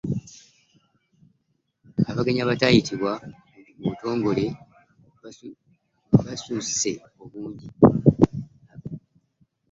Abagenyi abataayitibwa mu butongole baasusse obungi.